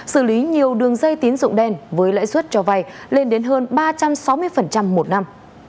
xử lý nhiều đường dây tín dụng đen với lãi suất cho vay lên đến hơn ba trăm sáu mươi một năm